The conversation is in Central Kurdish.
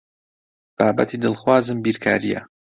بابەتی دڵخوازم بیرکارییە.